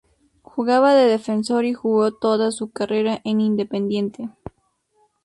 Jugaba de defensor y jugó toda su carrera en Independiente.